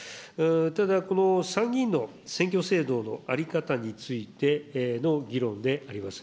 ただこの参議院の選挙制度の在り方についての議論であります。